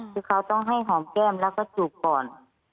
คือเขาต้องให้หอมแก้มแล้วก็จูบก่อน